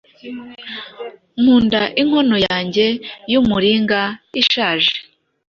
Nkunda inkono yanjye yumuringa ishaje.